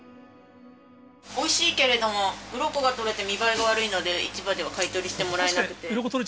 おいしいけれども、うろこが取れて見栄えが悪いので、市場では買い取りしてもらえないので。